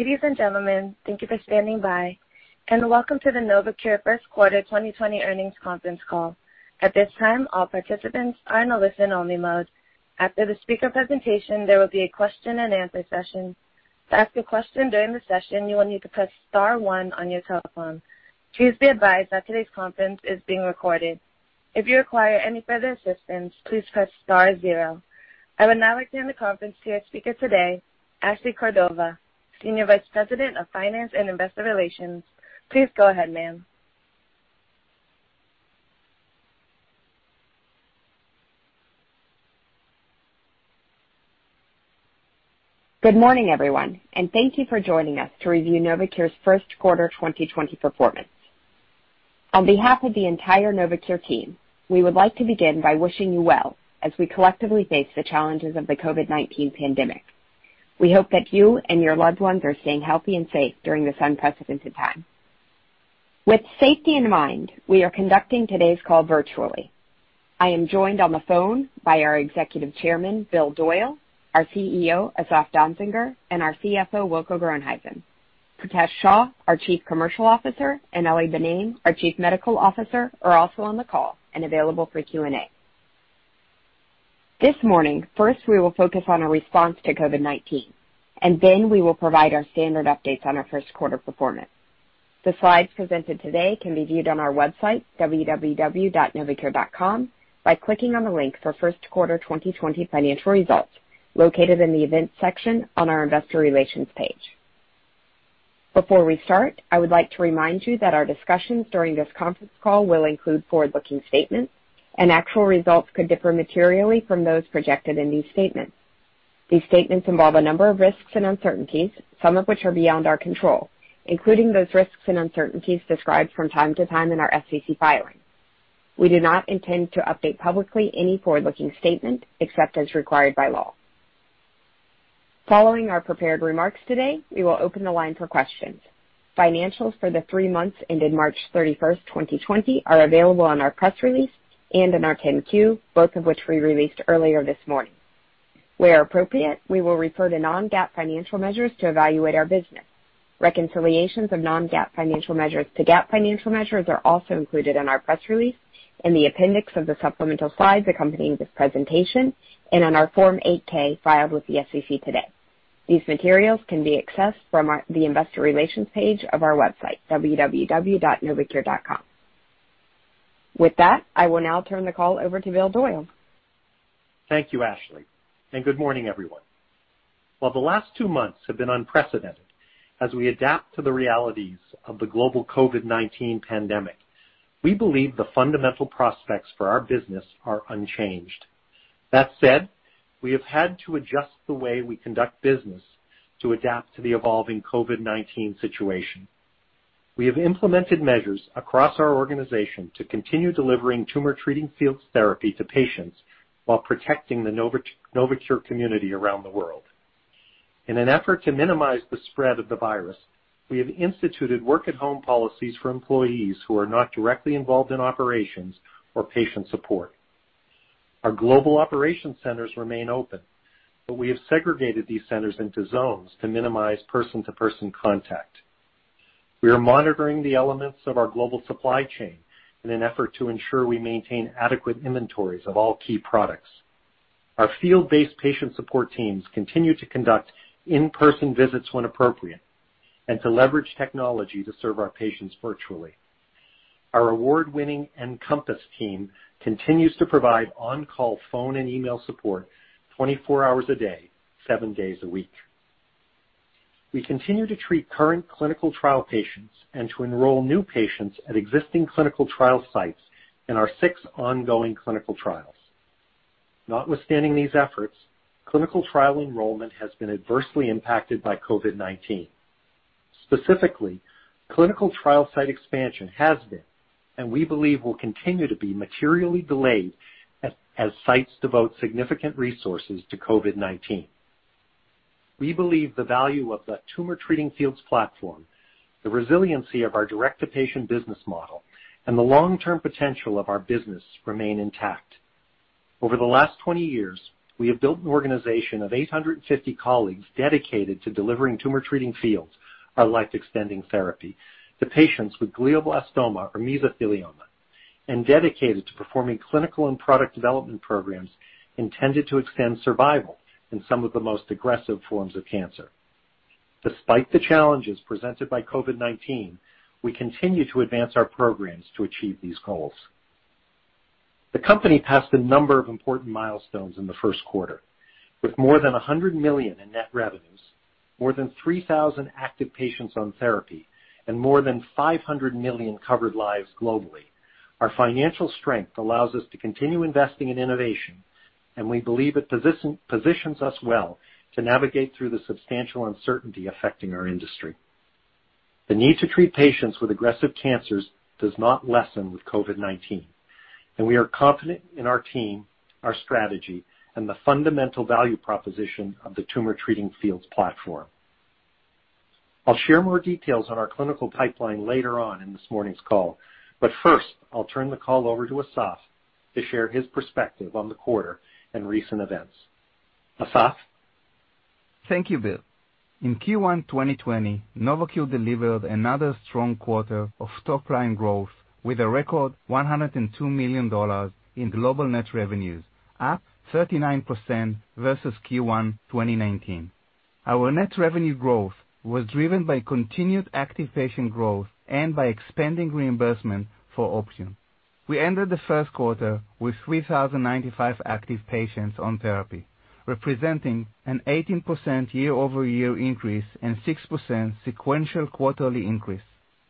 Ladies and gentlemen, thank you for standing by, and welcome to the Novocure First Quarter 2020 Earnings Conference Call. At this time, all participants are in a listen-only mode. After the speaker presentation, there will be a question-and-answer session. To ask a question during the session, you will need to press star one on your telephone. Please be advised that today's conference is being recorded. If you require any further assistance, please press star zero. I would now like to hand the conference to our speaker today, Ashley Cordova, Senior Vice President of Finance and Investor Relations. Please go ahead, Ma'am. Good morning, everyone, and thank you for joining us to review Novocure's first quarter 2020 performance. On behalf of the entire Novocure team, we would like to begin by wishing you well as we collectively face the challenges of the COVID-19 pandemic. We hope that you and your loved ones are staying healthy and safe during this unprecedented time. With safety in mind, we are conducting today's call virtually. I am joined on the phone by our Executive Chairman, Bill Doyle, our CEO, Asaf Danziger, and our CFO, Wilco Groenhuysen. Pritesh Shah, our Chief Commercial Officer, and Ely Benaim, our Chief Medical Officer, are also on the call and available for Q&A. This morning, first, we will focus on our response to COVID-19, and then we will provide our standard updates on our first quarter performance. The slides presented today can be viewed on our website, www.novocure.com, by clicking on the link for First Quarter 2020 Financial Results, located in the events section on our Investor Relations page. Before we start, I would like to remind you that our discussions during this conference call will include forward-looking statements, and actual results could differ materially from those projected in these statements. These statements involve a number of risks and uncertainties, some of which are beyond our control, including those risks and uncertainties described from time to time in our SEC filing. We do not intend to update publicly any forward-looking statement except as required by law. Following our prepared remarks today, we will open the line for questions. Financials for the three months ended March 31st, 2020, are available on our press release and in our 10-Q, both of which we released earlier this morning. Where appropriate, we will refer to non-GAAP financial measures to evaluate our business. Reconciliations of non-GAAP financial measures to GAAP financial measures are also included in our press release, in the appendix of the supplemental slides accompanying this presentation, and in our Form 8-K filed with the SEC today. These materials can be accessed from the Investor Relations page of our website, www.novocure.com. With that, I will now turn the call over to Bill Doyle. Thank you, Ashley, and good morning, everyone. While the last two months have been unprecedented as we adapt to the realities of the global COVID-19 pandemic, we believe the fundamental prospects for our business are unchanged. That said, we have had to adjust the way we conduct business to adapt to the evolving COVID-19 situation. We have implemented measures across our organization to continue delivering Tumor Treating Fields therapy to patients while protecting the Novocure community around the world. In an effort to minimize the spread of the virus, we have instituted work-at-home policies for employees who are not directly involved in operations or patient support. Our global operations centers remain open, but we have segregated these centers into zones to minimize person-to-person contact. We are monitoring the elements of our global supply chain in an effort to ensure we maintain adequate inventories of all key products. Our field-based patient support teams continue to conduct in-person visits when appropriate and to leverage technology to serve our patients virtually. Our award-winning nCompass team continues to provide on-call phone and email support 24 hours a day, seven days a week. We continue to treat current clinical trial patients and to enroll new patients at existing clinical trial sites in our six ongoing clinical trials. Notwithstanding these efforts, clinical trial enrollment has been adversely impacted by COVID-19. Specifically, clinical trial site expansion has been and we believe will continue to be materially delayed as sites devote significant resources to COVID-19. We believe the value of the Tumor Treating Fields platform, the resiliency of our direct-to-patient business model, and the long-term potential of our business remain intact. Over the last 20 years, we have built an organization of 850 colleagues dedicated to delivering Tumor Treating Fields or life-extending therapy to patients with glioblastoma or mesothelioma and dedicated to performing clinical and product development programs intended to extend survival in some of the most aggressive forms of cancer. Despite the challenges presented by COVID-19, we continue to advance our programs to achieve these goals. The company passed a number of important milestones in the first quarter. With more than $100 million in net revenues, more than 3,000 active patients on therapy, and more than 500 million covered lives globally, our financial strength allows us to continue investing in innovation, and we believe it positions us well to navigate through the substantial uncertainty affecting our industry. The need to treat patients with aggressive cancers does not lessen with COVID-19, and we are confident in our team, our strategy, and the fundamental value proposition of the Tumor Treating Fields platform. I'll share more details on our clinical pipeline later on in this morning's call, but first, I'll turn the call over to Asaf to share his perspective on the quarter and recent events. Asaf? Thank you, Bill. In Q1 2020, Novocure delivered another strong quarter of top-line growth with a record $102 million in global net revenues, up 39% versus Q1 2019. Our net revenue growth was driven by continued active patient growth and by expanding reimbursement for Optune. We ended the first quarter with 3,095 active patients on therapy, representing an 18% year-over-year increase and 6% sequential quarterly increase.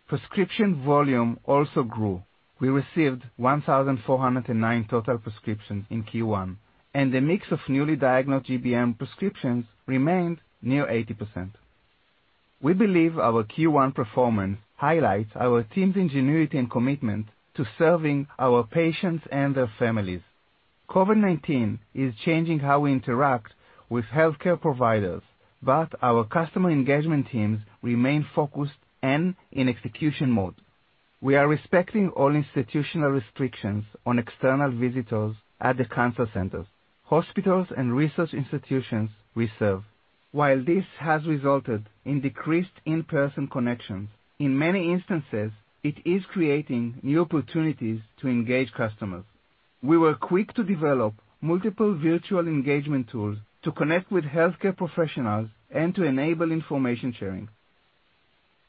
Prescription volume also grew. We received 1,409 total prescriptions in Q1, and the mix of newly diagnosed GBM prescriptions remained near 80%. We believe our Q1 performance highlights our team's ingenuity and commitment to serving our patients and their families. COVID-19 is changing how we interact with healthcare providers, but our customer engagement teams remain focused and in execution mode. We are respecting all institutional restrictions on external visitors at the cancer centers, hospitals, and research institutions we serve. While this has resulted in decreased in-person connections, in many instances, it is creating new opportunities to engage customers. We were quick to develop multiple virtual engagement tools to connect with healthcare professionals and to enable information sharing.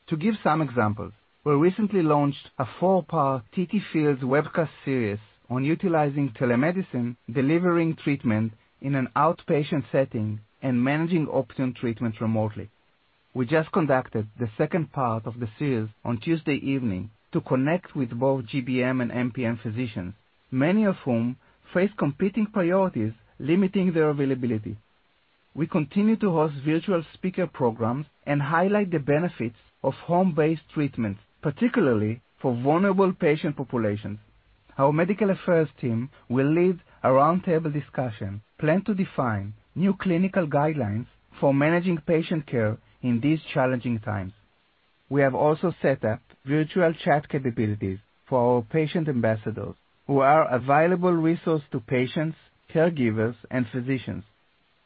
To give some examples, we recently launched a four-part TTFields webcast series on utilizing telemedicine, delivering treatment in an outpatient setting, and managing Optune treatment remotely. We just conducted the second part of the series on Tuesday evening to connect with both GBM and MPM physicians, many of whom face competing priorities limiting their availability. We continue to host virtual speaker programs and highlight the benefits of home-based treatments, particularly for vulnerable patient populations. Our medical affairs team will lead a roundtable discussion planned to define new clinical guidelines for managing patient care in these challenging times. We have also set up virtual chat capabilities for our patient ambassadors, who are a valuable resource to patients, caregivers, and physicians.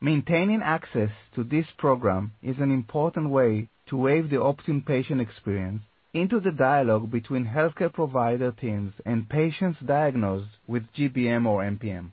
Maintaining access to this program is an important way to weave the Optune patient experience into the dialogue between healthcare provider teams and patients diagnosed with GBM or MPM.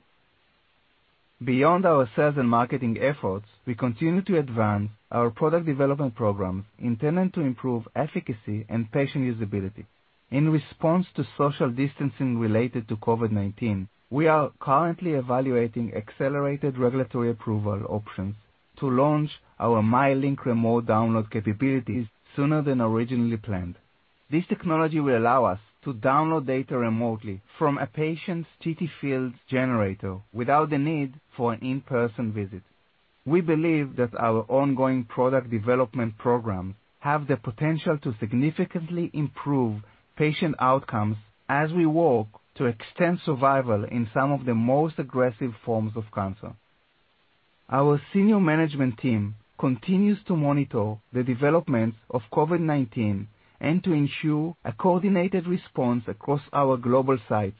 Beyond our sales and marketing efforts, we continue to advance our product development programs intended to improve efficacy and patient usability. In response to social distancing related to COVID-19, we are currently evaluating accelerated regulatory approval options to launch our MyLink remote download capabilities sooner than originally planned. This technology will allow us to download data remotely from a patient's TTFields generator without the need for an in-person visit. We believe that our ongoing product development programs have the potential to significantly improve patient outcomes as we work to extend survival in some of the most aggressive forms of cancer. Our senior management team continues to monitor the developments of COVID-19 and to ensure a coordinated response across our global sites.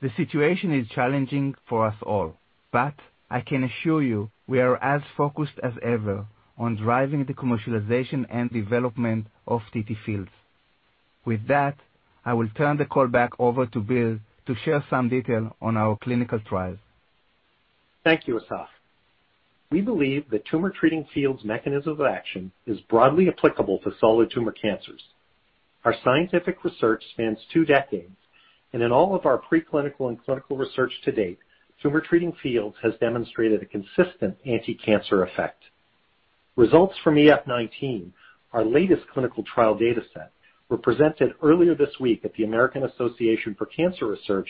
The situation is challenging for us all, but I can assure you we are as focused as ever on driving the commercialization and development of TTFields. With that, I will turn the call back over to Bill to share some detail on our clinical trials. Thank you, Asaf. We believe the Tumor Treating Fields mechanism of action is broadly applicable to solid tumor cancers. Our scientific research spans two decades, and in all of our preclinical and clinical research to date, Tumor Treating Fields has demonstrated a consistent anti-cancer effect. Results from EF-19, our latest clinical trial data set, were presented earlier this week at the American Association for Cancer Research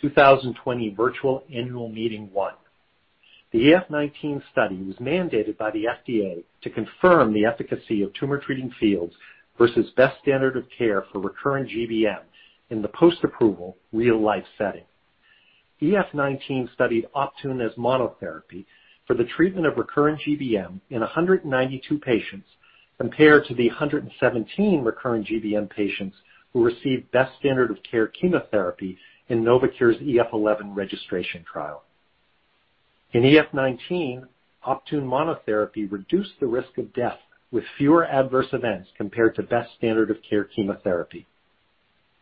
2020 Virtual Annual Meeting One. The EF-19 study was mandated by the FDA to confirm the efficacy of Tumor Treating Fields versus best standard of care for recurrent GBM in the post-approval real-life setting. EF-19 studied Optune as monotherapy for the treatment of recurrent GBM in 192 patients compared to the 117 recurrent GBM patients who received best standard of care chemotherapy in Novocure's EF-11 registration trial. In EF-19, Optune monotherapy reduced the risk of death with fewer adverse events compared to best standard of care chemotherapy.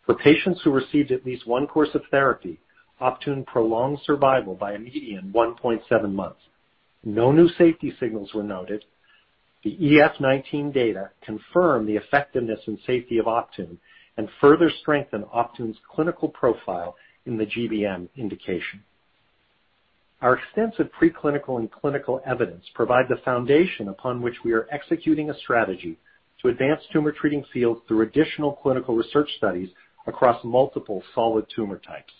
For patients who received at least one course of therapy, Optune prolonged survival by a median 1.7 months. No new safety signals were noted. The EF-19 data confirmed the effectiveness and safety of Optune and further strengthened Optune's clinical profile in the GBM indication. Our extensive preclinical and clinical evidence provide the foundation upon which we are executing a strategy to advance Tumor Treating Fields through additional clinical research studies across multiple solid tumor types.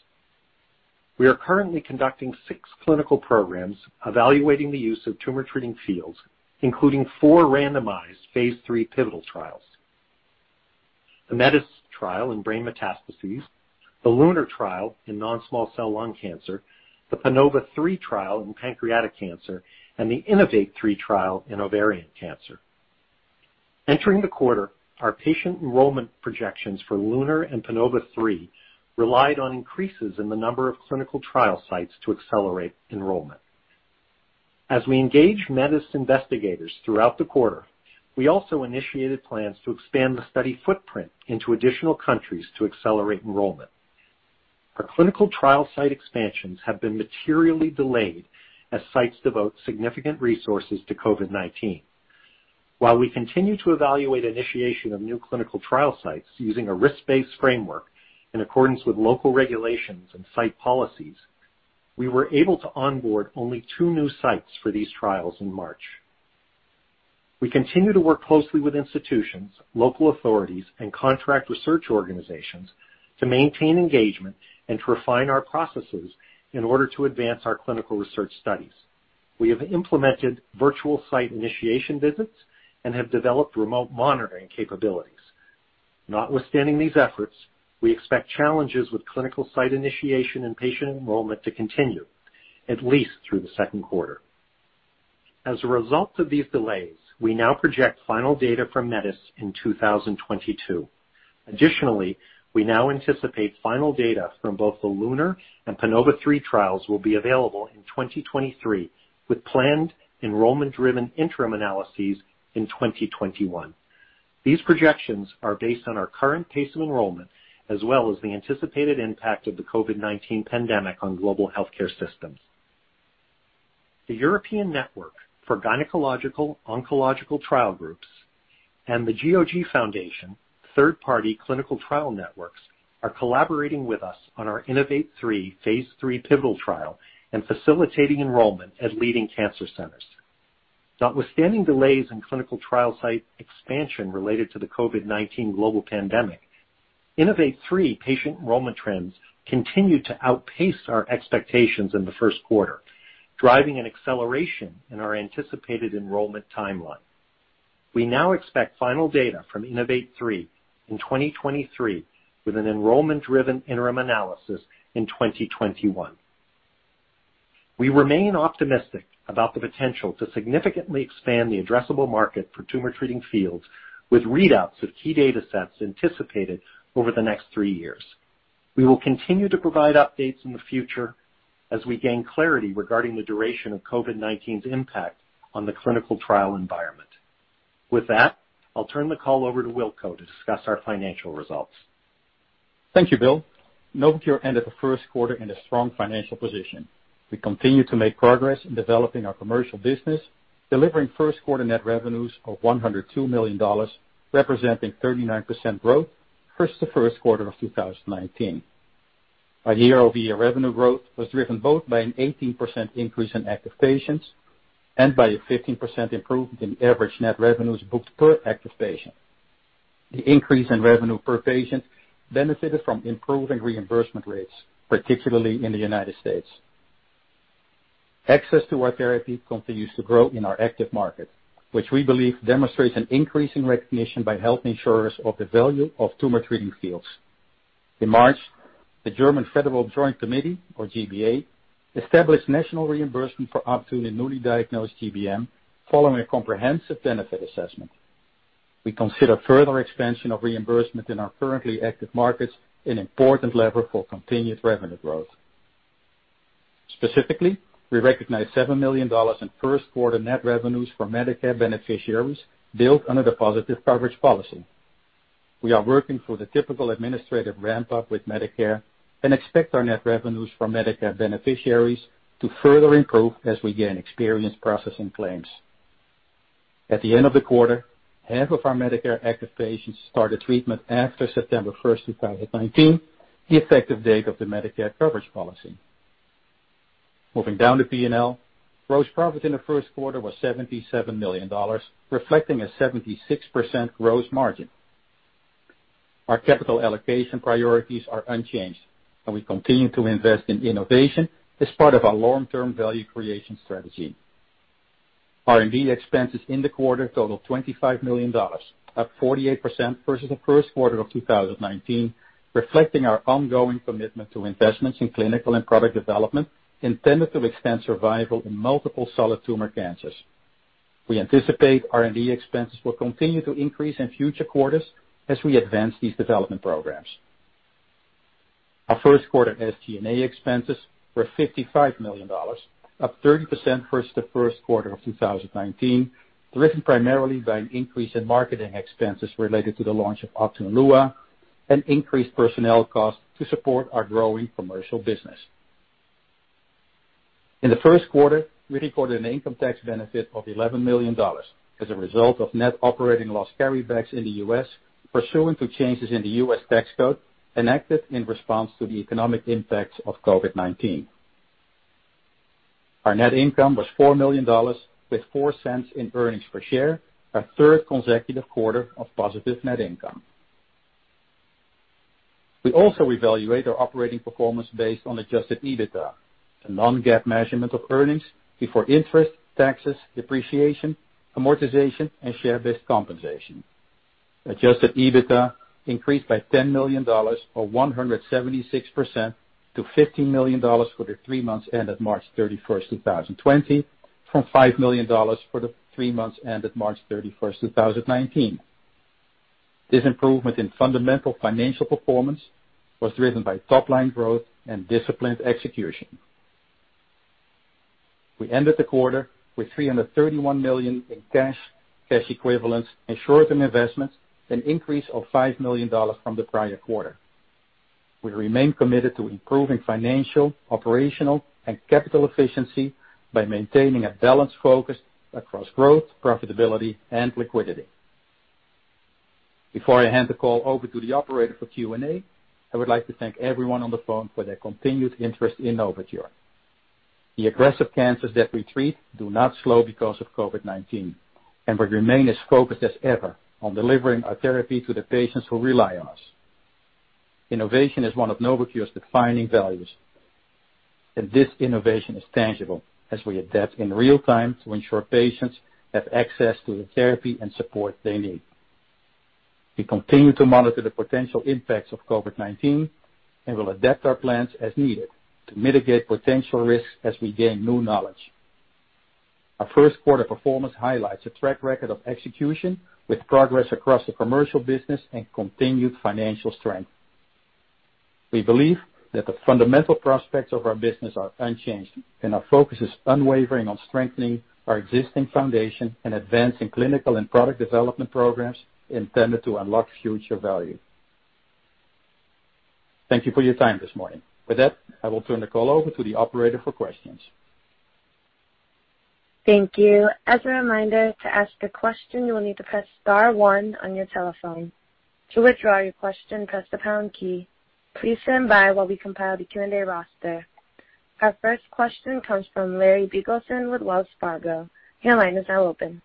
We are currently conducting six clinical programs evaluating the use of Tumor Treating Fields, including four randomized phase III pivotal trials: the METIS trial in brain metastases, the LUNAR trial in non-small cell lung cancer, the PANOVA-3 trial in pancreatic cancer, and the INNOVATE-3 trial in ovarian cancer. Entering the quarter, our patient enrollment projections for LUNAR and PANOVA-3 relied on increases in the number of clinical trial sites to accelerate enrollment. As we engage METIS investigators throughout the quarter, we also initiated plans to expand the study footprint into additional countries to accelerate enrollment. Our clinical trial site expansions have been materially delayed as sites devote significant resources to COVID-19. While we continue to evaluate initiation of new clinical trial sites using a risk-based framework in accordance with local regulations and site policies, we were able to onboard only two new sites for these trials in March. We continue to work closely with institutions, local authorities, and contract research organizations to maintain engagement and to refine our processes in order to advance our clinical research studies. We have implemented virtual site initiation visits and have developed remote monitoring capabilities. Notwithstanding these efforts, we expect challenges with clinical site initiation and patient enrollment to continue, at least through the second quarter. As a result of these delays, we now project final data from METIS in 2022. Additionally, we now anticipate final data from both the LUNAR and PANOVA-3 trials will be available in 2023, with planned enrollment-driven interim analyses in 2021. These projections are based on our current pace of enrollment as well as the anticipated impact of the COVID-19 pandemic on global healthcare systems. The European Network of Gynaecological Oncological Trial Groups and the GOG Foundation third-party clinical trial networks are collaborating with us on our INNOVATE-3 phase III pivotal trial and facilitating enrollment at leading cancer centers. Notwithstanding delays in clinical trial site expansion related to the COVID-19 global pandemic, INNOVATE-3 patient enrollment trends continue to outpace our expectations in the first quarter, driving an acceleration in our anticipated enrollment timeline. We now expect final data from INNOVATE-3 in 2023, with an enrollment-driven interim analysis in 2021. We remain optimistic about the potential to significantly expand the addressable market for Tumor Treating Fields with readouts of key data sets anticipated over the next three years. We will continue to provide updates in the future as we gain clarity regarding the duration of COVID-19's impact on the clinical trial environment. With that, I'll turn the call over to Wilco to discuss our financial results. Thank you, Bill. Novocure ended the first quarter in a strong financial position. We continue to make progress in developing our commercial business, delivering first quarter net revenues of $102 million, representing 39% growth versus the first quarter of 2019. Our year-over-year revenue growth was driven both by an 18% increase in active patients and by a 15% improvement in average net revenues booked per active patient. The increase in revenue per patient benefited from improving reimbursement rates, particularly in the United States. Access to our therapy continues to grow in our active market, which we believe demonstrates an increase in recognition by health insurers of the value of Tumor Treating Fields. In March, the German Federal Joint Committee, or G-BA, established national reimbursement for Optune in newly diagnosed GBM following a comprehensive benefit assessment. We consider further expansion of reimbursement in our currently active markets an important lever for continued revenue growth. Specifically, we recognize $7 million in first quarter net revenues for Medicare beneficiaries billed under the positive coverage policy. We are working through the typical administrative ramp-up with Medicare and expect our net revenues for Medicare beneficiaries to further improve as we gain experience processing claims. At the end of the quarter, half of our Medicare active patients started treatment after September 1st, 2019, the effective date of the Medicare coverage policy. Moving down the P&L, gross profit in the first quarter was $77 million, reflecting a 76% gross margin. Our capital allocation priorities are unchanged, and we continue to invest in innovation as part of our long-term value creation strategy. R&D expenses in the quarter totaled $25 million, up 48% versus the first quarter of 2019, reflecting our ongoing commitment to investments in clinical and product development intended to extend survival in multiple solid tumor cancers. We anticipate R&D expenses will continue to increase in future quarters as we advance these development programs. Our first quarter SG&A expenses were $55 million, up 30% versus the first quarter of 2019, driven primarily by an increase in marketing expenses related to the launch of Optune Lua and increased personnel costs to support our growing commercial business. In the first quarter, we recorded an income tax benefit of $11 million as a result of net operating loss carrybacks in the U.S. pursuant to changes in the U.S. tax code enacted in response to the economic impacts of COVID-19. Our net income was $4 million, with $0.04 in earnings per share, our third consecutive quarter of positive net income. We also evaluate our operating performance based on Adjusted EBITDA, a non-GAAP measurement of earnings before interest, taxes, depreciation, amortization, and share-based compensation. Adjusted EBITDA increased by $10 million, or 176%, to $15 million for the three months ended March 31st, 2020, from $5 million for the three months ended March 31st, 2019. This improvement in fundamental financial performance was driven by top-line growth and disciplined execution. We ended the quarter with $331 million in cash, cash equivalents, and short-term investments, an increase of $5 million from the prior quarter. We remain committed to improving financial, operational, and capital efficiency by maintaining a balanced focus across growth, profitability, and liquidity. Before I hand the call over to the operator for Q&A, I would like to thank everyone on the phone for their continued interest in Novocure. The aggressive cancers that we treat do not slow because of COVID-19, and we remain as focused as ever on delivering our therapy to the patients who rely on us. Innovation is one of Novocure's defining values, and this innovation is tangible as we adapt in real time to ensure patients have access to the therapy and support they need. We continue to monitor the potential impacts of COVID-19 and will adapt our plans as needed to mitigate potential risks as we gain new knowledge. Our first quarter performance highlights a track record of execution with progress across the commercial business and continued financial strength. We believe that the fundamental prospects of our business are unchanged, and our focus is unwavering on strengthening our existing foundation and advancing clinical and product development programs intended to unlock future value. Thank you for your time this morning. With that, I will turn the call over to the operator for questions. Thank you. As a reminder, to ask a question, you will need to press star one on your telephone. To withdraw your question, press the pound key. Please stand by while we compile the Q&A roster. Our first question comes from Larry Biegelsen with Wells Fargo. Your line is now open.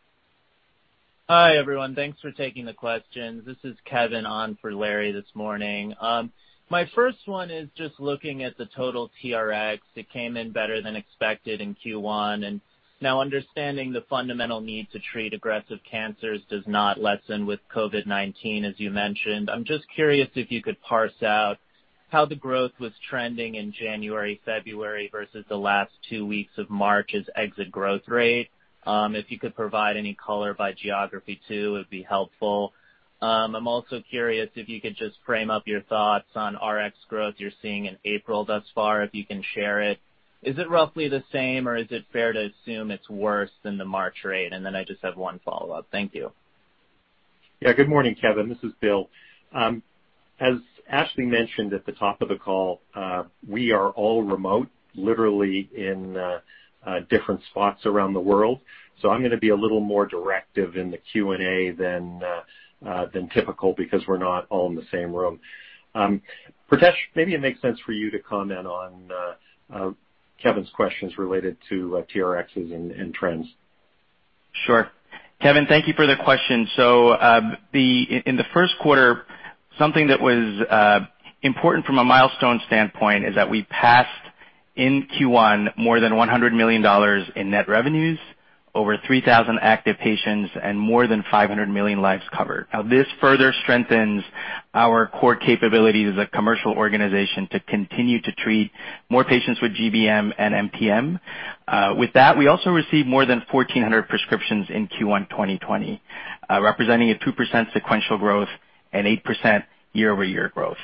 Hi, everyone. Thanks for taking the questions. This is Kevin on for Larry this morning. My first one is just looking at the total TRx. It came in better than expected in Q1, and now understanding the fundamental need to treat aggressive cancers does not lessen with COVID-19, as you mentioned. I'm just curious if you could parse out how the growth was trending in January, February versus the last two weeks of March's exit growth rate. If you could provide any color by geography too, it would be helpful. I'm also curious if you could just frame up your thoughts on Rx growth you're seeing in April thus far, if you can share it. Is it roughly the same, or is it fair to assume it's worse than the March rate? And then I just have one follow-up. Thank you. Yeah, good morning, Kevin. This is Bill. As Ashley mentioned at the top of the call, we are all remote, literally in different spots around the world. So I'm going to be a little more directive in the Q&A than typical because we're not all in the same room. Pritesh, maybe it makes sense for you to comment on Kevin's questions related to TRxs and trends. Sure. Kevin, thank you for the question. So in the first quarter, something that was important from a milestone standpoint is that we passed in Q1 more than $100 million in net revenues, over 3,000 active patients, and more than 500 million lives covered. Now, this further strengthens our core capabilities as a commercial organization to continue to treat more patients with GBM and MPM. With that, we also received more than 1,400 prescriptions in Q1 2020, representing a 2% sequential growth and 8% year-over-year growth.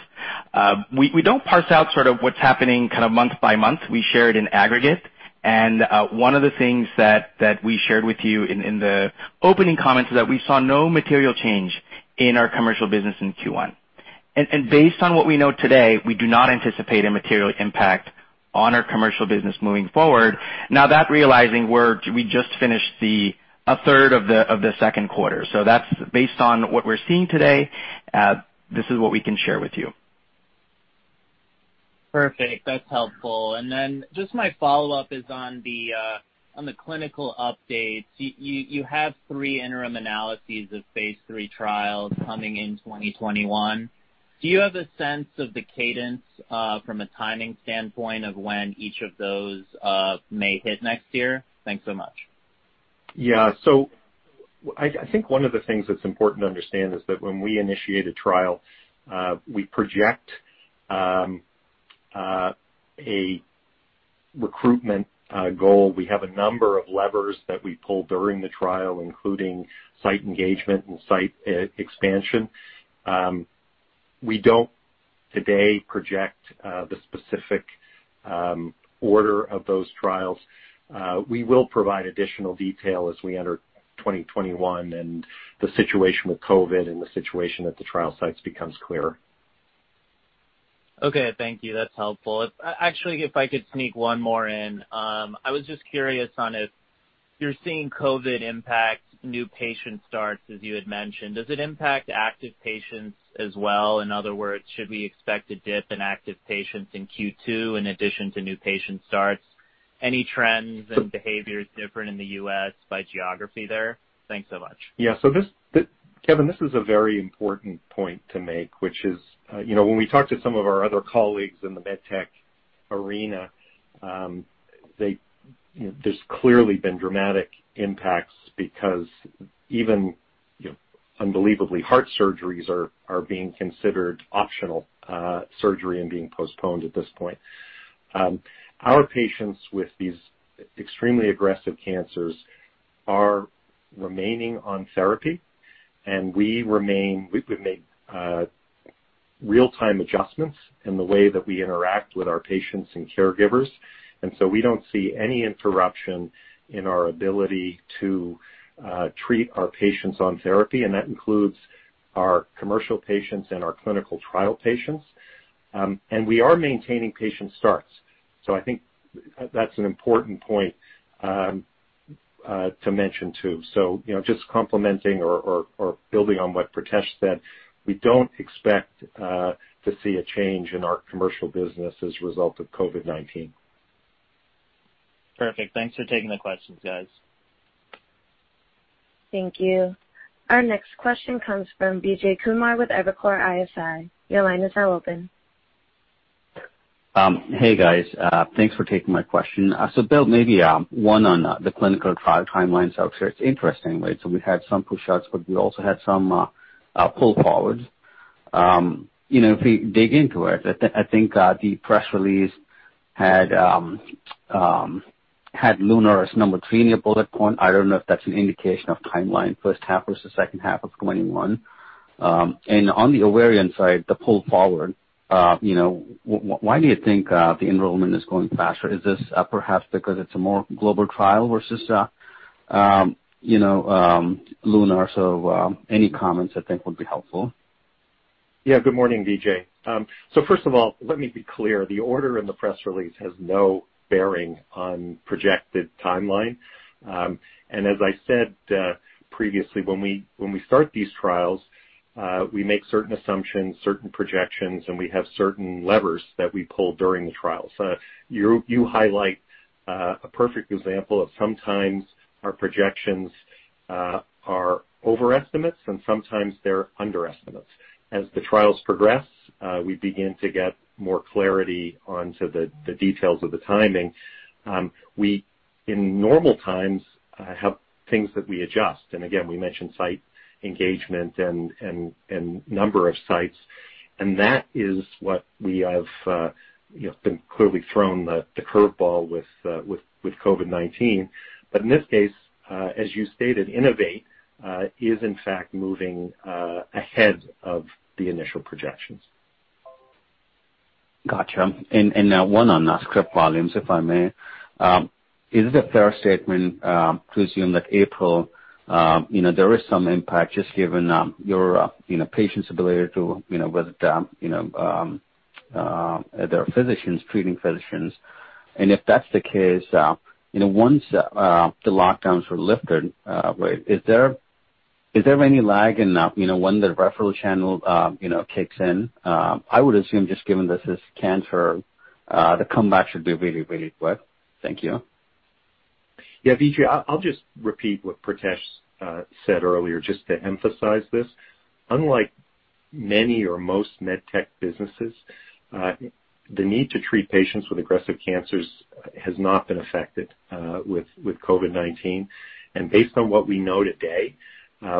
We don't parse out sort of what's happening kind of month by month. We share it in aggregate, and one of the things that we shared with you in the opening comments is that we saw no material change in our commercial business in Q1. Based on what we know today, we do not anticipate a material impact on our commercial business moving forward. Now, that realizing, we just finished 1/3 of the second quarter. So that's based on what we're seeing today. This is what we can share with you. Perfect. That's helpful. Then just my follow-up is on the clinical updates. You have three interim analyses of phase III trials coming in 2021. Do you have a sense of the cadence from a timing standpoint of when each of those may hit next year? Thanks so much. Yeah. So I think one of the things that's important to understand is that when we initiate a trial, we project a recruitment goal. We have a number of levers that we pull during the trial, including site engagement and site expansion. We don't today project the specific order of those trials. We will provide additional detail as we enter 2021 and the situation with COVID and the situation at the trial sites becomes clearer. Okay. Thank you. That's helpful. Actually, if I could sneak one more in. I was just curious on if you're seeing COVID impact new patient starts, as you had mentioned. Does it impact active patients as well? In other words, should we expect a dip in active patients in Q2 in addition to new patient starts? Any trends and behaviors different in the U.S. by geography there? Thanks so much. Yeah. So Kevin, this is a very important point to make, which is when we talk to some of our other colleagues in the medtech arena, there's clearly been dramatic impacts because even unbelievable heart surgeries are being considered optional surgery and being postponed at this point. Our patients with these extremely aggressive cancers are remaining on therapy, and we've made real-time adjustments in the way that we interact with our patients and caregivers. And so we don't see any interruption in our ability to treat our patients on therapy, and that includes our commercial patients and our clinical trial patients. And we are maintaining patient starts. So I think that's an important point to mention too. So just complementing or building on what Pritesh said, we don't expect to see a change in our commercial business as a result of COVID-19. Perfect. Thanks for taking the questions, guys. Thank you. Our next question comes from Vijay Kumar with Evercore ISI. Your line is now open. Hey, guys. Thanks for taking my question. So Bill, maybe one on the clinical trial timeline. So it's interesting. So we had some push outs, but we also had some pull-forwards. If we dig into it, I think the press release had LUNAR as number three in your bullet point. I don't know if that's an indication of timeline, first half versus second half of 2021. And on the ovarian side, the pull-forward, why do you think the enrollment is going faster? Is this perhaps because it's a more global trial versus LUNAR? So any comments I think would be helpful. Yeah. Good morning, Vijay. So first of all, let me be clear. The order in the press release has no bearing on projected timeline, and as I said previously, when we start these trials, we make certain assumptions, certain projections, and we have certain levers that we pull during the trial, so you highlight a perfect example of sometimes our projections are overestimates, and sometimes they're underestimates. As the trials progress, we begin to get more clarity onto the details of the timing. In normal times, we have things that we adjust, and again, we mentioned site engagement and number of sites, and that is what we have been clearly thrown the curveball with COVID-19, but in this case, as you stated, INNOVATE is in fact moving ahead of the initial projections. Gotcha. And now one on script volumes, if I may. Is it a fair statement to assume that April, there is some impact just given your patients' ability to visit their physicians, treating physicians? And if that's the case, once the lockdowns are lifted, is there any lag in when the referral channel kicks in? I would assume just given this is cancer, the comeback should be really, really quick. Thank you. Yeah, Vijay, I'll just repeat what Pritesh said earlier just to emphasize this. Unlike many or most medtech businesses, the need to treat patients with aggressive cancers has not been affected with COVID-19. And based on what we know today,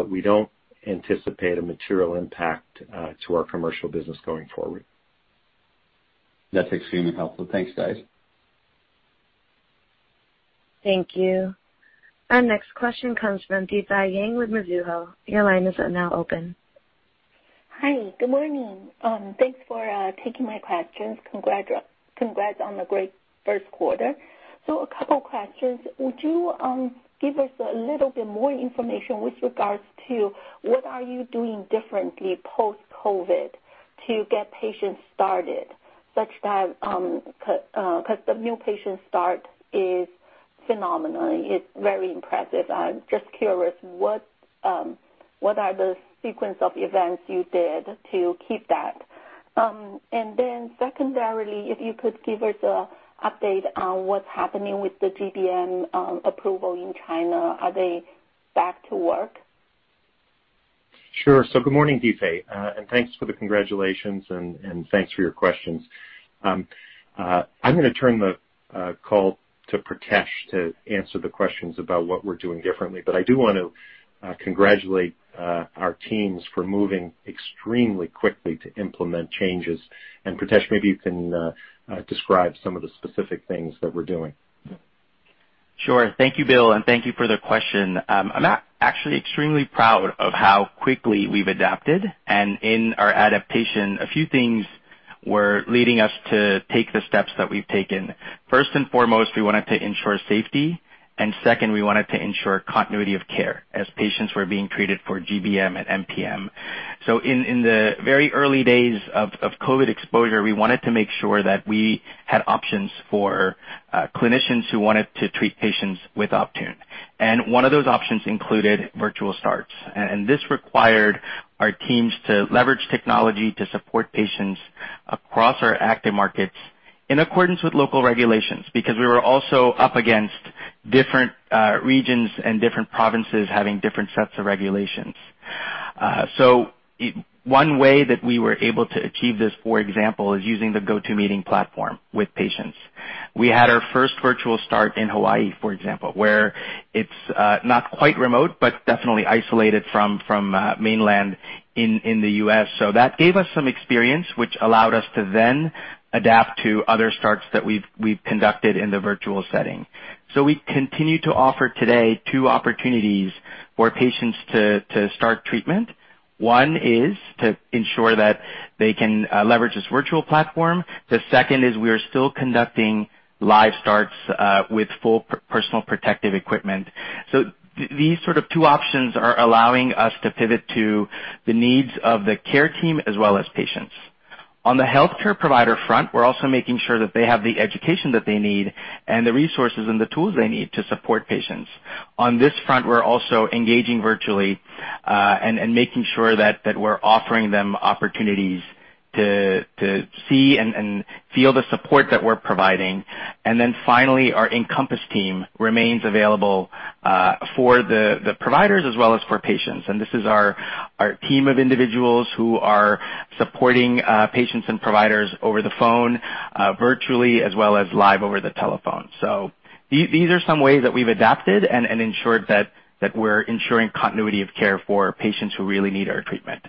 we don't anticipate a material impact to our commercial business going forward. That's extremely helpful. Thanks, guys. Thank you. Our next question comes from Difei Yang with Mizuho. Your line is now open. Hi. Good morning. Thanks for taking my questions. Congrats on a great first quarter. So a couple of questions. Would you give us a little bit more information with regards to what are you doing differently post-COVID to get patients started such that because the new patient start is phenomenal. It's very impressive. I'm just curious, what are the sequence of events you did to keep that? And then secondarily, if you could give us an update on what's happening with the GBM approval in China. Are they back to work? Sure. So good morning, Difei. And thanks for the congratulations, and thanks for your questions. I'm going to turn the call to Pritesh to answer the questions about what we're doing differently. But I do want to congratulate our teams for moving extremely quickly to implement changes. And Pritesh, maybe you can describe some of the specific things that we're doing. Sure. Thank you, Bill, and thank you for the question. I'm actually extremely proud of how quickly we've adapted. And in our adaptation, a few things were leading us to take the steps that we've taken. First and foremost, we wanted to ensure safety. And second, we wanted to ensure continuity of care as patients were being treated for GBM and MPM. So in the very early days of COVID exposure, we wanted to make sure that we had options for clinicians who wanted to treat patients with Optune. And one of those options included virtual starts. And this required our teams to leverage technology to support patients across our active markets in accordance with local regulations because we were also up against different regions and different provinces having different sets of regulations. So one way that we were able to achieve this, for example, is using the GoTo Meeting platform with patients. We had our first virtual start in Hawaii, for example, where it's not quite remote but definitely isolated from mainland in the U.S. So that gave us some experience, which allowed us to then adapt to other starts that we've conducted in the virtual setting. So we continue to offer today two opportunities for patients to start treatment. One is to ensure that they can leverage this virtual platform. The second is we are still conducting live starts with full personal protective equipment. So these sort of two options are allowing us to pivot to the needs of the care team as well as patients. On the healthcare provider front, we're also making sure that they have the education that they need and the resources and the tools they need to support patients. On this front, we're also engaging virtually and making sure that we're offering them opportunities to see and feel the support that we're providing. And then finally, our nCompass team remains available for the providers as well as for patients. And this is our team of individuals who are supporting patients and providers over the phone, virtually, as well as live over the telephone. So these are some ways that we've adapted and ensured that we're ensuring continuity of care for patients who really need our treatment.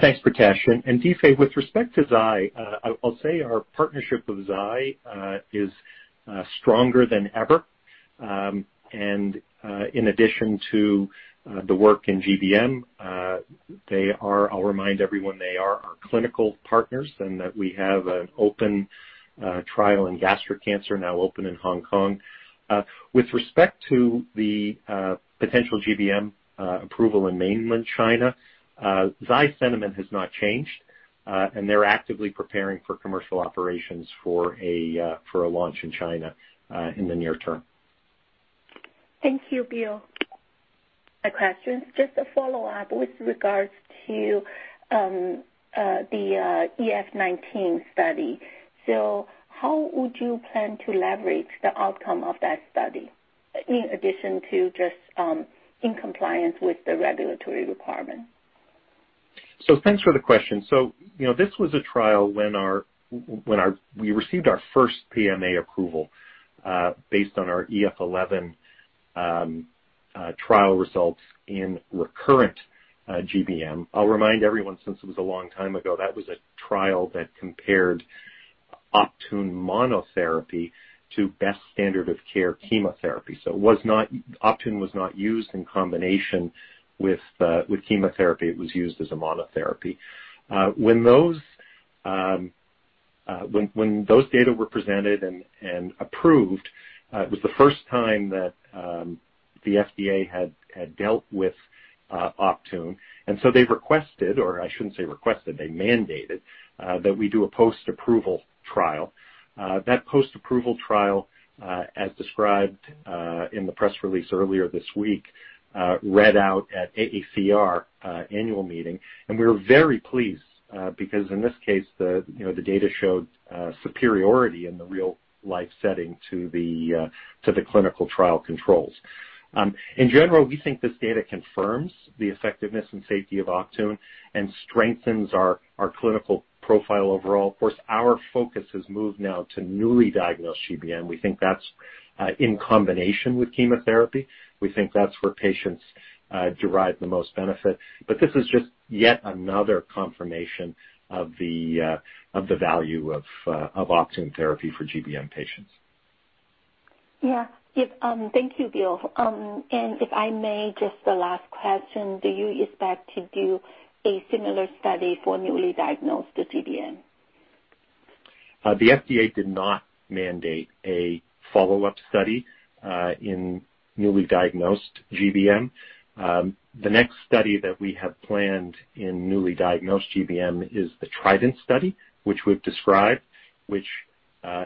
Thanks, Pritesh. Difei, with respect to Zai, I'll say our partnership with Zai is stronger than ever. In addition to the work in GBM, they are. I'll remind everyone, they are our clinical partners and that we have an open trial in gastric cancer now open in Hong Kong. With respect to the potential GBM approval in mainland China, Zai sentiment has not changed, and they're actively preparing for commercial operations for a launch in China in the near term. Thank you, Bill. A question. Just a follow-up with regards to the EF-19 study. So how would you plan to leverage the outcome of that study in addition to just in compliance with the regulatory requirement? Thanks for the question. This was a trial when we received our first PMA approval based on our EF-11 trial results in recurrent GBM. I'll remind everyone since it was a long time ago, that was a trial that compared Optune monotherapy to best standard of care chemotherapy. Optune was not used in combination with chemotherapy. It was used as a monotherapy. When those data were presented and approved, it was the first time that the FDA had dealt with Optune. They requested, or I shouldn't say requested, they mandated, that we do a post-approval trial. That post-approval trial, as described in the press release earlier this week, read out at AACR annual meeting. We were very pleased because in this case, the data showed superiority in the real-life setting to the clinical trial controls. In general, we think this data confirms the effectiveness and safety of Optune and strengthens our clinical profile overall. Of course, our focus has moved now to newly diagnosed GBM. We think that's in combination with chemotherapy. We think that's where patients derive the most benefit. But this is just yet another confirmation of the value of Optune therapy for GBM patients. Yeah. Thank you, Bill. And if I may, just the last question. Do you expect to do a similar study for newly diagnosed GBM? The FDA did not mandate a follow-up study in newly diagnosed GBM. The next study that we have planned in newly diagnosed GBM is the TRIDENT study, which we've described, which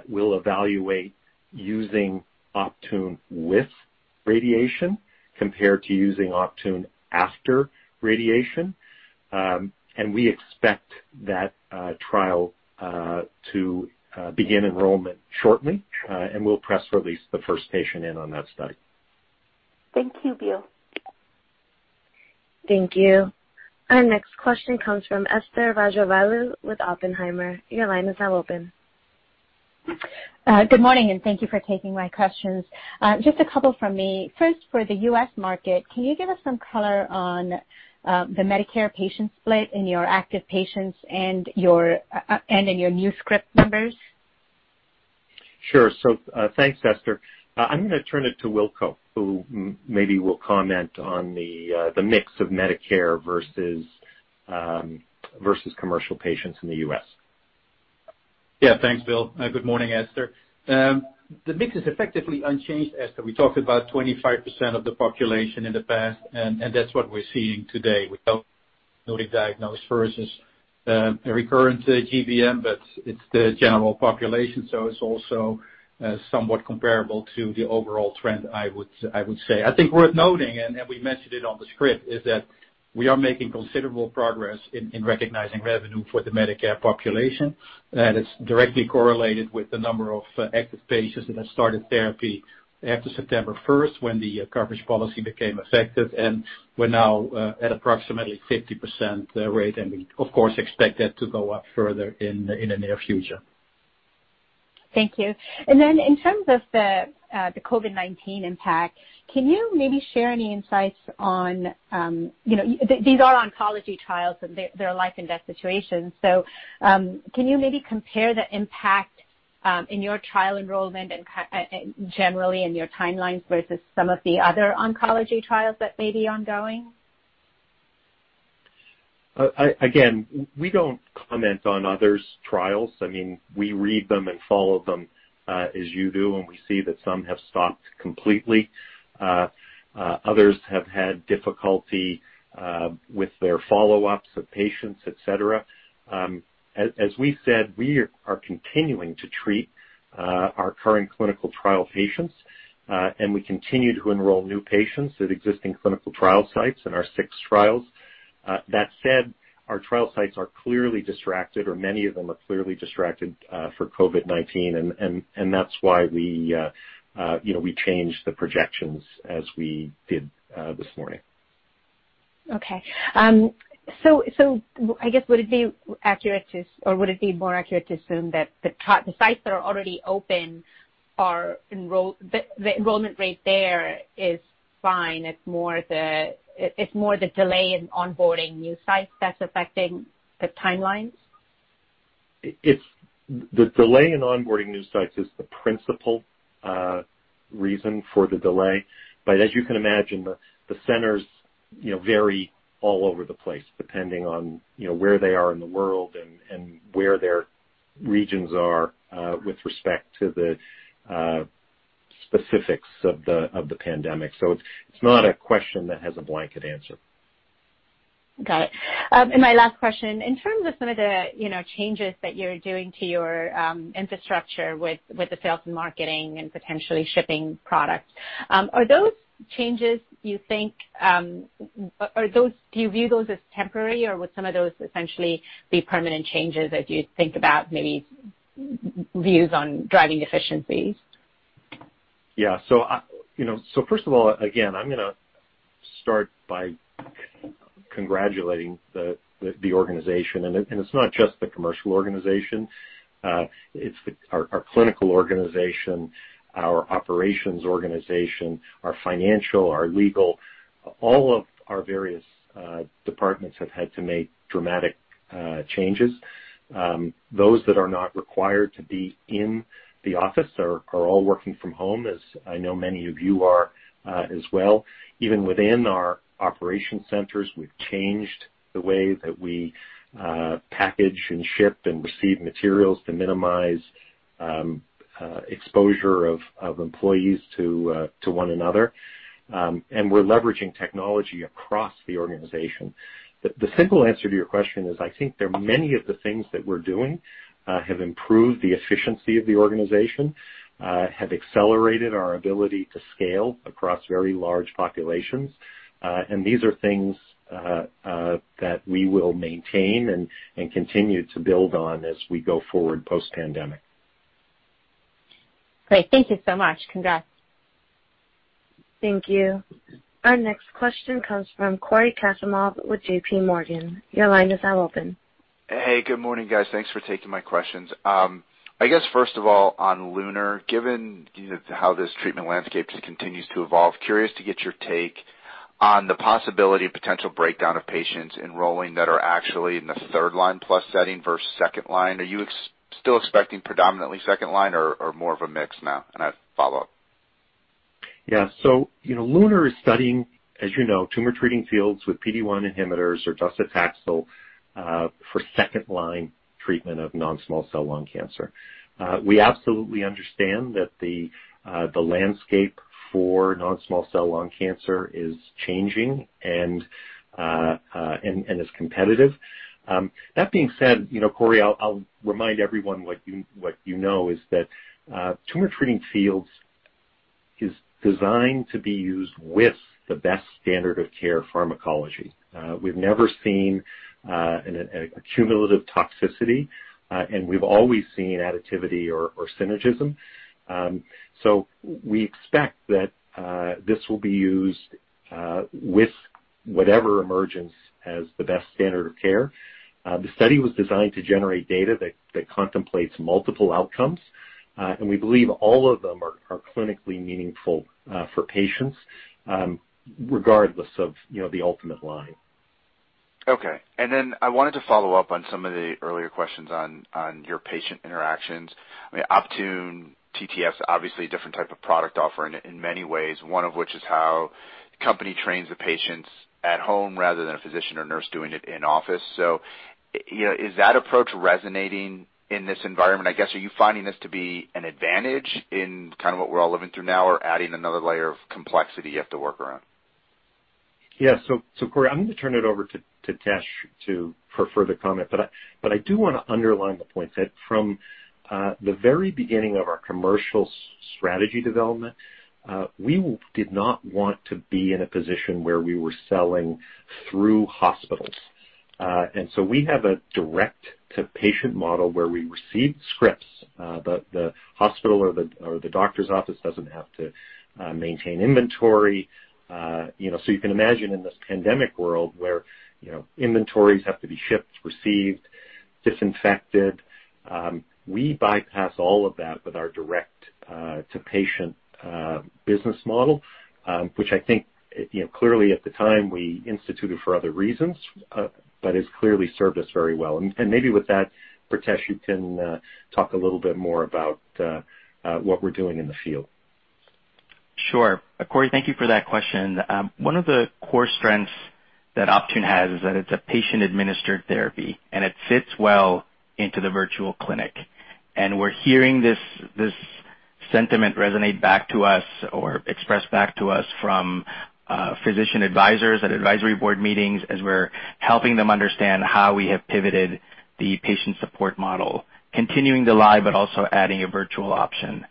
will evaluate using Optune with radiation compared to using Optune after radiation, and we expect that trial to begin enrollment shortly, and we'll press release the first patient in on that study. Thank you, Bill. Thank you. Our next question comes from Esther Rajavelu with Oppenheimer. Your line is now open. Good morning, and thank you for taking my questions. Just a couple from me. First, for the U.S. market, can you give us some color on the Medicare patient split in your active patients and in your new script numbers? Sure. So thanks, Esther. I'm going to turn it to Wilco, who maybe will comment on the mix of Medicare versus commercial patients in the U.S. Yeah. Thanks, Bill. Good morning, Esther. The mix is effectively unchanged, Esther. We talked about 25% of the population in the past, and that's what we're seeing today with newly diagnosed versus a recurrent GBM, but it's the general population. So it's also somewhat comparable to the overall trend, I would say. I think worth noting, and we mentioned it on the script, is that we are making considerable progress in recognizing revenue for the Medicare population. And it's directly correlated with the number of active patients that have started therapy after September 1st when the coverage policy became effective. And we're now at approximately 50% rate. And we, of course, expect that to go up further in the near future. Thank you. And then in terms of the COVID-19 impact, can you maybe share any insights on these are oncology trials, and they're life-and-death situations. So can you maybe compare the impact in your trial enrollment and generally in your timelines versus some of the other oncology trials that may be ongoing? Again, we don't comment on others' trials. I mean, we read them and follow them as you do, and we see that some have stopped completely. Others have had difficulty with their follow-ups of patients, etc. As we said, we are continuing to treat our current clinical trial patients, and we continue to enroll new patients at existing clinical trial sites in our six trials. That said, our trial sites are clearly distracted, or many of them are clearly distracted for COVID-19, and that's why we changed the projections as we did this morning. Okay. So I guess, would it be accurate to or would it be more accurate to assume that the sites that are already open are enrolled? The enrollment rate there is fine. It's more the delay in onboarding new sites that's affecting the timelines? The delay in onboarding new sites is the principal reason for the delay. But as you can imagine, the centers vary all over the place depending on where they are in the world and where their regions are with respect to the specifics of the pandemic. So it's not a question that has a blanket answer. Got it. And my last question. In terms of some of the changes that you're doing to your infrastructure with the sales and marketing and potentially shipping products, are those changes you think do you view those as temporary, or would some of those essentially be permanent changes as you think about maybe views on driving efficiencies? Yeah. So first of all, again, I'm going to start by congratulating the organization. And it's not just the commercial organization. It's our clinical organization, our operations organization, our financial, our legal. All of our various departments have had to make dramatic changes. Those that are not required to be in the office are all working from home, as I know many of you are as well. Even within our operations centers, we've changed the way that we package and ship and receive materials to minimize exposure of employees to one another. And we're leveraging technology across the organization. The simple answer to your question is I think many of the things that we're doing have improved the efficiency of the organization, have accelerated our ability to scale across very large populations. And these are things that we will maintain and continue to build on as we go forward post-pandemic. Great. Thank you so much. Congrats. Thank you. Our next question comes from Cory Kasimov with JPMorgan. Your line is now open. Hey. Good morning, guys. Thanks for taking my questions. I guess, first of all, on LUNAR, given how this treatment landscape continues to evolve, curious to get your take on the possibility of potential breakdown of patients enrolling that are actually in the third-line-plus setting versus second-line. Are you still expecting predominantly second-line, or more of a mix now? And I have follow up. Yeah. So LUNAR is studying, as you know, Tumor Treating Fields with PD-1 inhibitors or docetaxel for second-line treatment of non-small cell lung cancer. We absolutely understand that the landscape for non-small cell lung cancer is changing and is competitive. That being said, Cory, I'll remind everyone what you know is that Tumor Treating Fields is designed to be used with the best standard of care pharmacology. We've never seen a cumulative toxicity, and we've always seen additivity or synergism. So we expect that this will be used with whatever emerges as the best standard of care. The study was designed to generate data that contemplates multiple outcomes, and we believe all of them are clinically meaningful for patients regardless of the ultimate line. Okay. And then I wanted to follow up on some of the earlier questions on your patient interactions. I mean, Optune, TTFields, obviously a different type of product offer in many ways, one of which is how the company trains the patients at home rather than a physician or nurse doing it in office. So is that approach resonating in this environment? I guess, are you finding this to be an advantage in kind of what we're all living through now or adding another layer of complexity you have to work around? Yeah. So Cory, I'm going to turn it over to Pritesh for further comment. But I do want to underline the point that from the very beginning of our commercial strategy development, we did not want to be in a position where we were selling through hospitals. And so we have a direct-to-patient model where we receive scripts. The hospital or the doctor's office doesn't have to maintain inventory. So you can imagine in this pandemic world where inventories have to be shipped, received, disinfected, we bypass all of that with our direct-to-patient business model, which I think clearly at the time we instituted for other reasons, but has clearly served us very well. And maybe with that, Pritesh, you can talk a little bit more about what we're doing in the field. Sure. Cory, thank you for that question. One of the core strengths that Optune has is that it's a patient-administered therapy, and it fits well into the virtual clinic, and we're hearing this sentiment resonate back to us or expressed back to us from physician advisors at advisory board meetings as we're helping them understand how we have pivoted the patient support model, continuing the live but also adding a virtual option.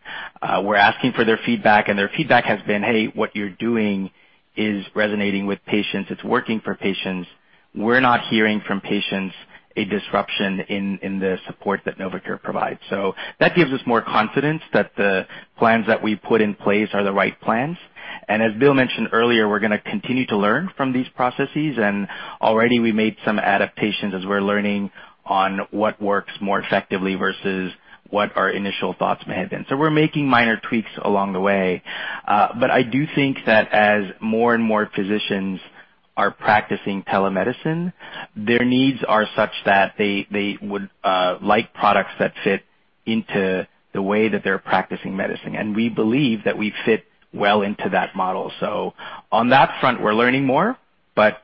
We're asking for their feedback, and their feedback has been, "Hey, what you're doing is resonating with patients. It's working for patients. We're not hearing from patients a disruption in the support that Novocure provides." So that gives us more confidence that the plans that we put in place are the right plans, and as Bill mentioned earlier, we're going to continue to learn from these processes. Already, we made some adaptations as we're learning on what works more effectively versus what our initial thoughts may have been. We're making minor tweaks along the way. I do think that as more and more physicians are practicing telemedicine, their needs are such that they would like products that fit into the way that they're practicing medicine. We believe that we fit well into that model. On that front, we're learning more, but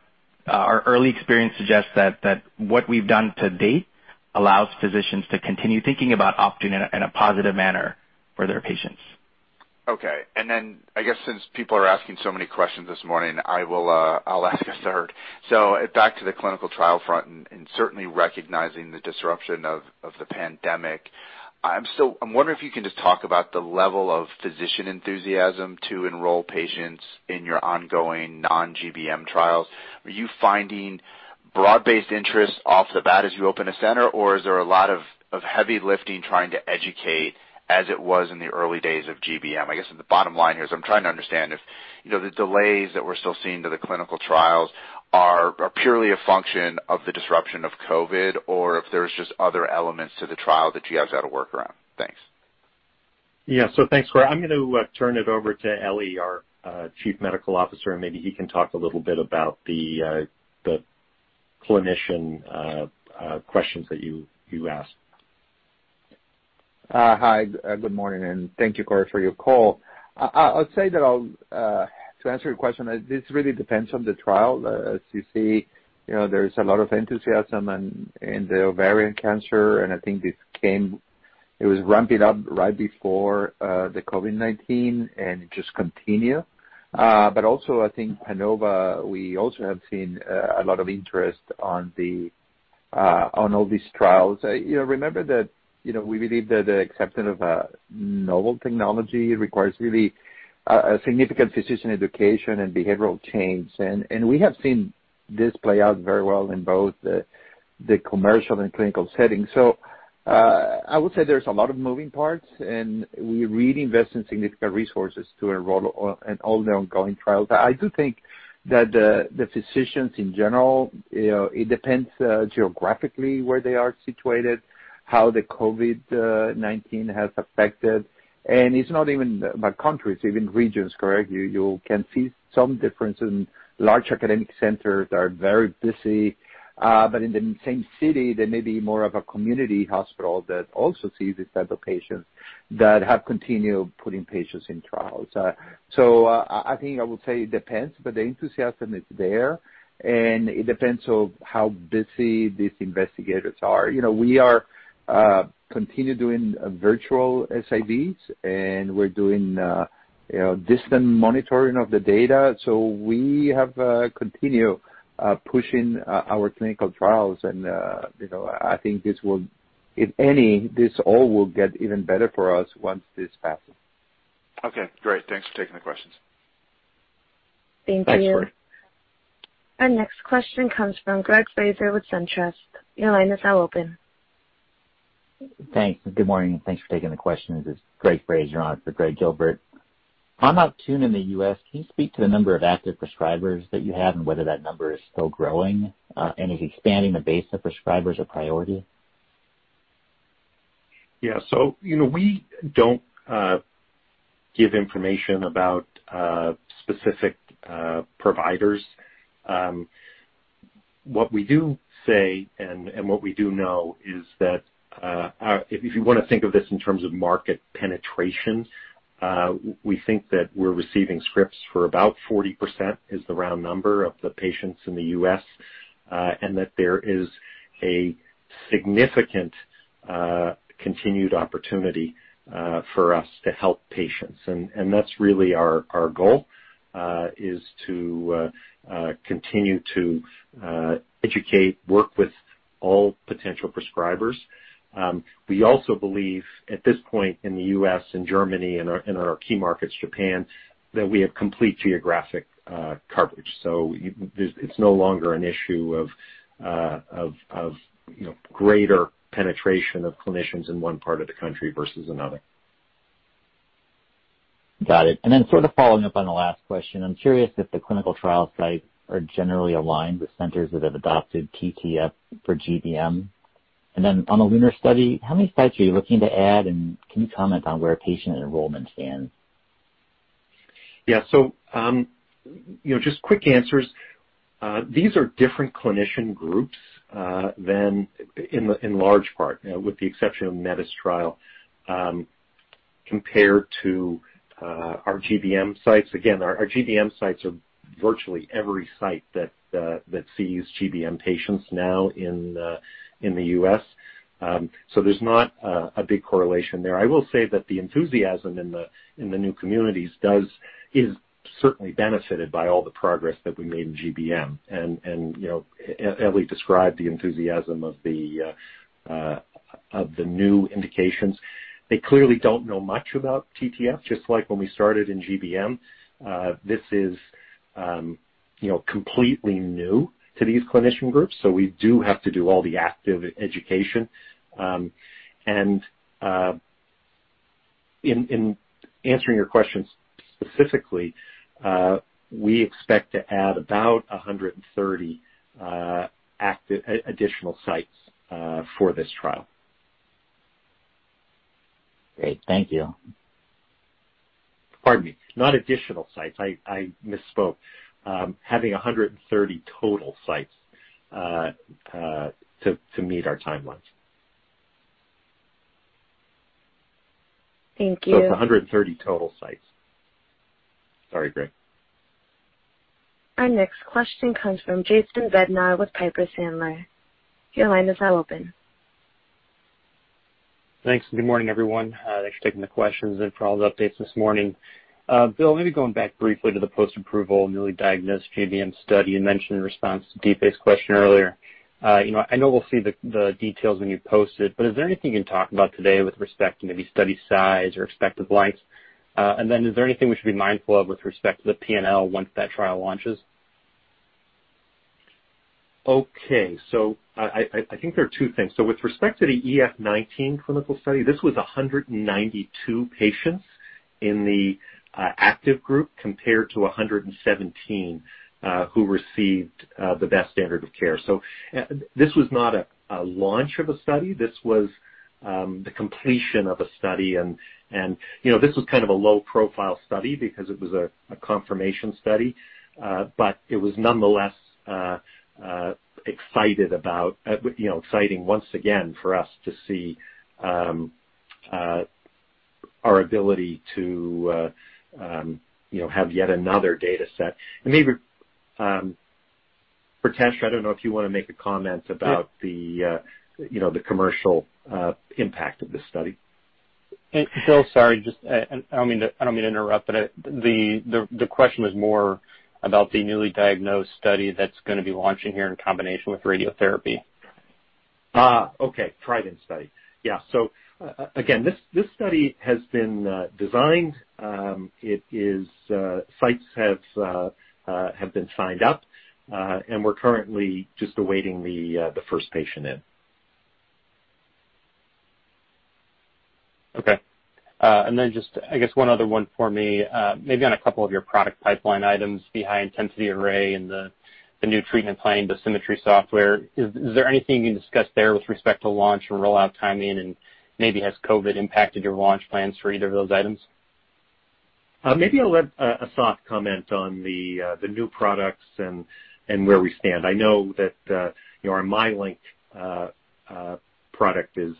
our early experience suggests that what we've done to date allows physicians to continue thinking about Optune in a positive manner for their patients. Okay. And then I guess since people are asking so many questions this morning, I'll ask a third. So back to the clinical trial front and certainly recognizing the disruption of the pandemic, I'm wondering if you can just talk about the level of physician enthusiasm to enroll patients in your ongoing non-GBM trials. Are you finding broad-based interest off the bat as you open a center, or is there a lot of heavy lifting trying to educate as it was in the early days of GBM? I guess the bottom line here is I'm trying to understand if the delays that we're still seeing to the clinical trials are purely a function of the disruption of COVID, or if there's just other elements to the trial that you guys had to work around. Thanks. Yeah. So thanks, Cory. I'm going to turn it over to Ely, our Chief Medical Officer, and maybe he can talk a little bit about the clinician questions that you asked. Hi. Good morning, and thank you, Cory, for your call. I'll say that to answer your question, this really depends on the trial. As you see, there's a lot of enthusiasm in the ovarian cancer, and I think it was ramping up right before the COVID-19, and it just continued, but also, I think PANOVA, we also have seen a lot of interest on all these trials. Remember that we believe that the acceptance of a novel technology requires really significant physician education and behavioral change, and we have seen this play out very well in both the commercial and clinical settings, so I would say there's a lot of moving parts, and we really invest in significant resources to enroll in all the ongoing trials. I do think that the physicians in general, it depends geographically where they are situated, how the COVID-19 has affected, and it's not even about countries, even regions, correct? You can see some differences in large academic centers that are very busy. But in the same city, there may be more of a community hospital that also sees these types of patients that have continued putting patients in trials. So I think I would say it depends, but the enthusiasm is there, and it depends on how busy these investigators are. We continue doing virtual SIVs, and we're doing distant monitoring of the data. So we have continued pushing our clinical trials, and I think this will, if any, this all will get even better for us once this passes. Okay. Great. Thanks for taking the questions. Thank you. Thanks, Cory. Our next question comes from Greg Fraser with SunTrust. Your line is now open. Thanks. Good morning. Thanks for taking the question. This is Greg Fraser on for Greg Gilbert. On Optune in the U.S., can you speak to the number of active prescribers that you have and whether that number is still growing and is expanding the base of prescribers or priority? Yeah. So we don't give information about specific providers. What we do say and what we do know is that if you want to think of this in terms of market penetration, we think that we're receiving scripts for about 40%—the round number—of the patients in the U.S., and that there is a significant continued opportunity for us to help patients. And that's really our goal, is to continue to educate, work with all potential prescribers. We also believe at this point in the U.S. and Germany and in our key markets, Japan, that we have complete geographic coverage. So it's no longer an issue of greater penetration of clinicians in one part of the country versus another. Got it. And then sort of following up on the last question, I'm curious if the clinical trial sites are generally aligned with centers that have adopted TTFields for GBM. And then on the LUNAR study, how many sites are you looking to add, and can you comment on where patient enrollment stands? Yeah. So just quick answers. These are different clinician groups than in large part, with the exception of METIS trial, compared to our GBM sites. Again, our GBM sites are virtually every site that sees GBM patients now in the U.S. So there's not a big correlation there. I will say that the enthusiasm in the new communities is certainly benefited by all the progress that we made in GBM. And Ely described the enthusiasm of the new indications. They clearly don't know much about TTFields, just like when we started in GBM. This is completely new to these clinician groups, so we do have to do all the active education. And in answering your questions specifically, we expect to add about 130 additional sites for this trial. Great. Thank you. Pardon me. Not additional sites. I misspoke. Having 130 total sites to meet our timelines. Thank you. It's 130 total sites. Sorry, Greg. Our next question comes from Jason Bednar with Piper Sandler. Your line is now open. Thanks. Good morning, everyone. Thanks for taking the questions and for all the updates this morning. Bill, maybe going back briefly to the post-approval newly diagnosed GBM study you mentioned in response to Difei's question earlier. I know we'll see the details when you post it, but is there anything you can talk about today with respect to maybe study size or expected length? And then is there anything we should be mindful of with respect to the P&L once that trial launches? Okay. So I think there are two things. So with respect to the EF-19 clinical study, this was 192 patients in the active group compared to 117 who received the best standard of care. So this was not a launch of a study. This was the completion of a study. This was kind of a low-profile study because it was a confirmation study, but it was nonetheless exciting once again for us to see our ability to have yet another data set. Maybe Pritesh, I don't know if you want to make a comment about the commercial impact of this study. Bill, sorry. I don't mean to interrupt, but the question was more about the newly diagnosed study that's going to be launching here in combination with radiotherapy. Okay. TRIDENT study. Yeah. So again, this study has been designed. Sites have been signed up, and we're currently just awaiting the first patient in. Okay. And then just, I guess, one other one for me. Maybe on a couple of your product pipeline items behind high intensity arrays and the new treatment planning dosimetry software, is there anything you can discuss there with respect to launch and rollout timing? And maybe has COVID impacted your launch plans for either of those items? Maybe I'll have Asaf comment on the new products and where we stand. I know that our MyLink product is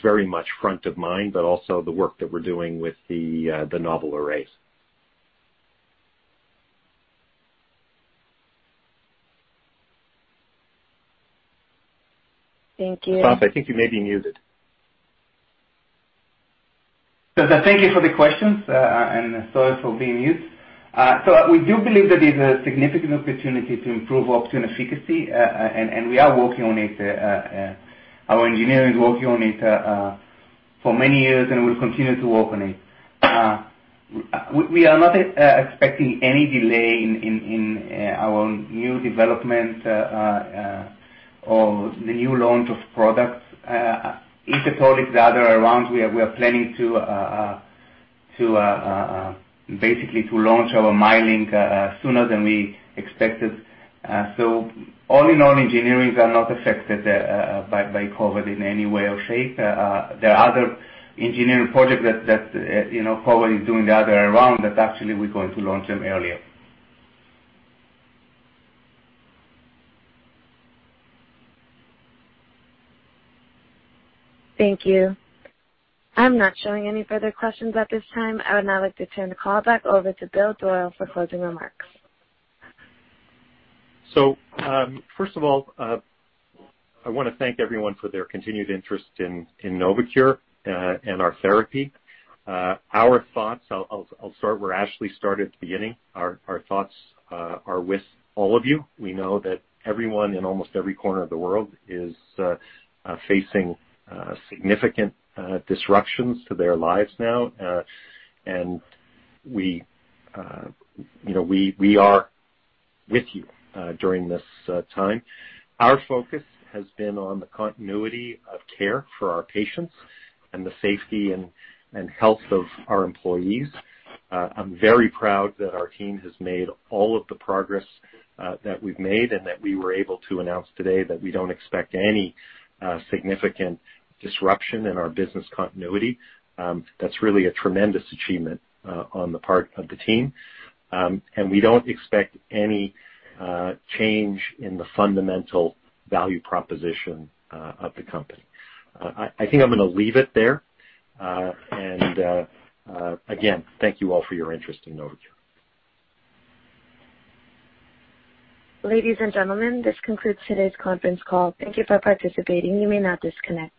very much front of mind, but also the work that we're doing with the novel arrays. Thank you. Asaf, I think you may be muted. Thank you for the questions, and sorry for being muted. So we do believe that there's a significant opportunity to improve Optune efficacy, and we are working on it. Our engineering is working on it for many years, and we'll continue to work on it. We are not expecting any delay in our new development or the new launch of products. If at all, if they are around, we are planning to basically launch our MyLink sooner than we expected. So all in all, engineering is not affected by COVID in any way or shape. There are other engineering projects that COVID is doing that are around that actually we're going to launch them earlier. Thank you. I'm not showing any further questions at this time. I would now like to turn the call back over to Bill Doyle for closing remarks. So first of all, I want to thank everyone for their continued interest in Novocure and our therapy. Our thoughts, I'll start where Ashley started at the beginning, our thoughts are with all of you. We know that everyone in almost every corner of the world is facing significant disruptions to their lives now, and we are with you during this time. Our focus has been on the continuity of care for our patients and the safety and health of our employees. I'm very proud that our team has made all of the progress that we've made and that we were able to announce today that we don't expect any significant disruption in our business continuity. That's really a tremendous achievement on the part of the team. And we don't expect any change in the fundamental value proposition of the company. I think I'm going to leave it there. And again, thank you all for your interest in Novocure. Ladies and gentlemen, this concludes today's conference call. Thank you for participating. You may now disconnect.